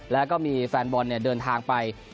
แล้วก็มีแฟนบอลเดินทางไป